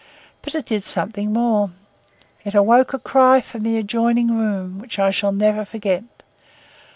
But it did something more. It awoke a cry from the adjoining room which I shall never forget.